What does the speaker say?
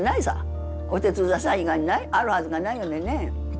お手伝いさん以外にないあるはずがないのでねえ。